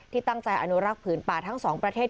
ตั้งใจอนุรักษ์ผืนป่าทั้งสองประเทศ